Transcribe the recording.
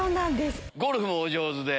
ゴルフもお上手で。